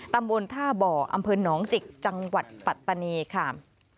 ตำบลท่าบ่ออำเภอหนองจิกจังหวัดปัตตานีค่ะ